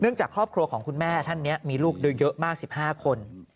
จากครอบครัวของคุณแม่ท่านนี้มีลูกโดยเยอะมาก๑๕คน